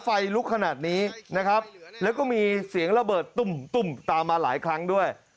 ไฟลุกขนาดนี้นะครับแล้วก็มีเสียงระเบิดตุ้มตุ้มตามมาหลายครั้งด้วย